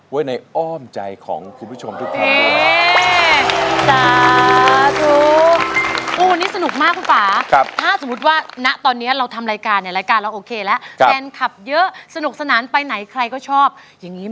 ไว้ในอ้อมใจของคุณผู้ชมทุกที